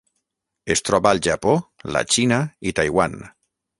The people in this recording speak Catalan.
Es troba al Japó, la Xina i Taiwan.